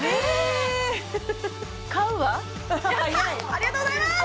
ありがとうございます！